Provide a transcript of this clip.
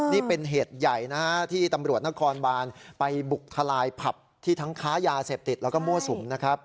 นี่เป็นเหตุใหญ่นะฮะที่ตำรวจนครบานไปบุกทลายผับที่ทั้งค้ายาเสพติดแล้วก็มั่วสุมนะครับ